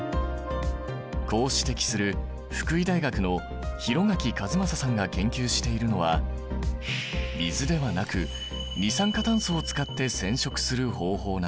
こう指摘する福井大学の廣垣和正さんが研究しているのは水ではなく二酸化炭素を使って染色する方法なんだ。